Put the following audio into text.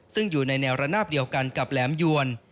ซึ่งอยู่ในแนวระนาบเดียวกันกับแหลมยวน